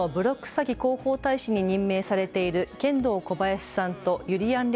詐欺広報大使に任命されているケンドーコバヤシさんとゆりやん